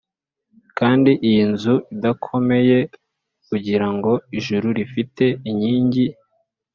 kandi iyi nzu idakomeye kugirango ijuru rifite inkingi,